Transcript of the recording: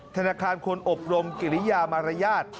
ธนาคารควรอบรมกิริยามารยาท